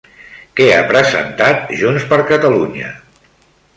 Què ha presentat Junts per Catalunya?